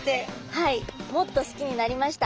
もっと好きになりました。